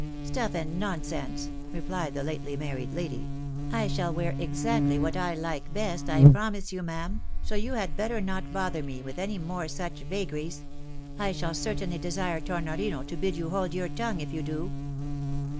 " Stuff and nonsense !" replied the lately married lady ;" I shall wear exactly what I like best, I promise you, ma'am, so you had better not bother me with any more such vagaries. I shall certainly desire Tornorino to bid you hold your tongue, if you do."